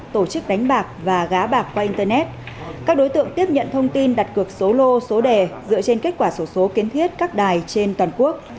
tổ chức đánh bạc và gá bạc qua internet các đối tượng tiếp nhận thông tin đặt cược số lô số đề dựa trên kết quả số số kiến thiết các đài trên toàn quốc